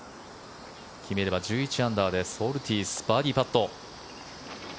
決めれば１１アンダーですオルティーズバーディーパット。